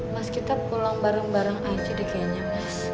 mas kita pulang bareng bareng aja deh kayaknya mas